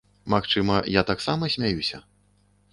Магчыма, я таксама смяюся.